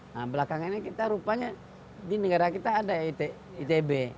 nah belakangnya kita rupanya di negara kita ada itb